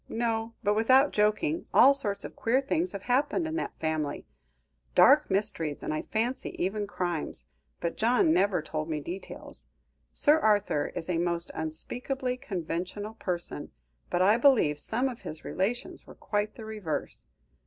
No; but without joking, all sorts of queer things have happened in that family dark mysteries, and I fancy even crimes; but John never told me details. Sir Arthur is a most unspeakably conventional person, but I believe some of his relations were quite the reverse.